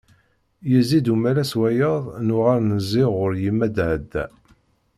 Yezzi-d umalas wayeḍ nuɣal nezzi ɣur yemma Daɛda.